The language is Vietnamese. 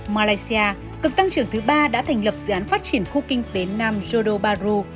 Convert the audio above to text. malaysia cực tăng trưởng thứ ba đã thành lập dự án phát triển khu kinh tế nam jodoh baru